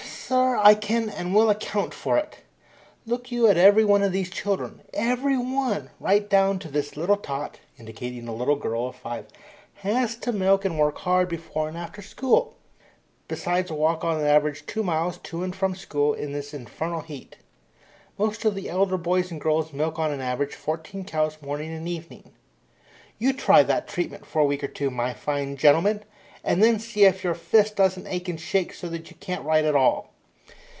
"Si r r r, I can and will account for it. Look you at every one of those children. Every one, right down to this little tot," indicating a little girl of five, "has to milk and work hard before and after school, besides walk on an average two miles to and from school in this infernal heat. Most of the elder boys and girls milk on an average fourteen cows morning and evening. You try that treatment for a week or two, my fine gentleman, and then see if your fist doesn't ache and shake so that you can't write at all.